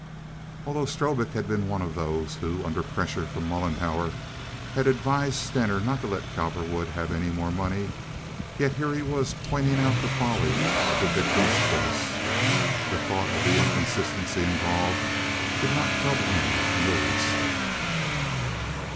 Although Strobik had been one of those who, under pressure from Mollenhauer, had advised Stener not to let Cowperwood have any more money, yet here he was pointing out the folly of the victim's course. The thought of the inconsistency involved did not trouble him in the least.